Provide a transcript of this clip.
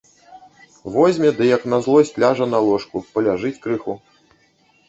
Возьме ды, як на злосць, ляжа на ложку, паляжыць крыху.